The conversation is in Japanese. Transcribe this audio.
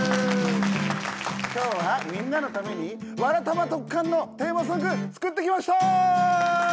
今日はみんなのために「わらたまドッカン」のテーマソング作ってきました！